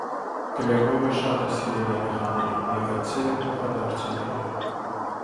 Գլեբովը շատ է սիրել երեխաներին, և այդ սերը փոխադարձ է եղել։